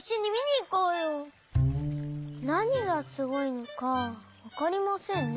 なにがすごいのかわかりませんね。